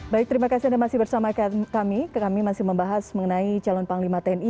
baik terima kasih anda masih bersama kami kami masih membahas mengenai calon panglima tni